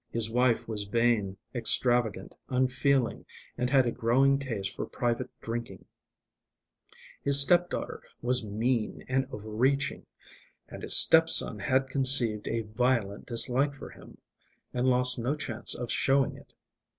His wife was vain, extravagant, unfeeling, and had a growing taste for private drinking; his step daughter was mean and over reaching; and his step son had conceived a violent dislike for him, and lost no chance of showing it.